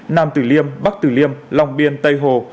nam tử liêm bắc tử liêm long biên tây hồ